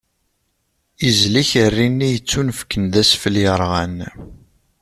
Izla ikerri-nni yettunefken d asfel yerɣan.